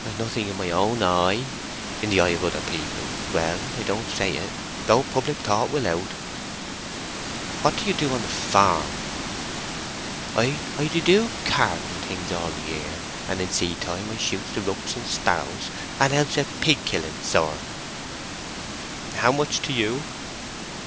"Nothing in my own eye. In the eye of other people—well, I don't say it; though public thought will out." "What do you do on the farm?" "I do do carting things all the year, and in seed time I shoots the rooks and sparrows, and helps at pig killing, sir." "How much to you?"